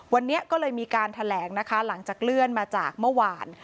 วันนี้ก็เลยมีการแถลงนะคะหลังจากเลื่อนมาจากเมื่อวาน